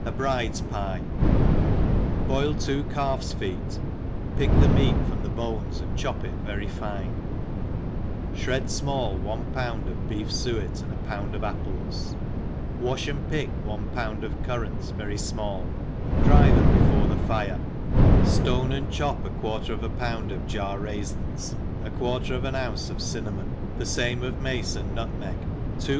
Bride's Pye* BOIL two calf's feet, pick the meat fron* the b6iies« and chop it very fine, ihred fmall one pound of beef fuet, and a pound of apples, wa(h 9nd pick one pound of currants very fmall, dry them before the fire^ Aone and chop a quarter of a pound of jar raifins, a quarter of an ounce of cinnamon, the fame of mace and nutmeg, two